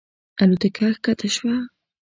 الوتکه ښکته شوه.